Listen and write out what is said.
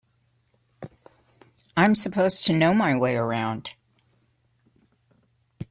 I'm supposed to know my way around.